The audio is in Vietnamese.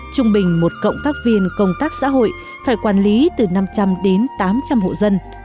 trung bình một cộng tác viên công tác xã hội phải quản lý từ năm trăm linh đến tám trăm linh hộ dân